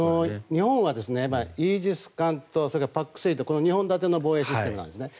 日本はイージス艦とそれからＰＡＣ３とこの２本立ての防衛システムなんですね。